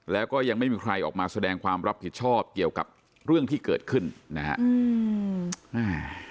แล้วก็ยังไม่มีใครออกมาแสดงความรับผิดชอบเกี่ยวกับเรื่องที่เกิดขึ้นนะฮะอืมอ่า